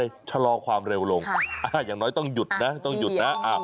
อย่างแรกเลยชะลอกว่ามันเร็วลงอย่างน้อยต้องหยุดนะต้องหยุดนะ